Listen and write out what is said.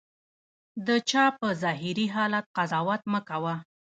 د چا په ظاهري حالت قضاوت مه کوه.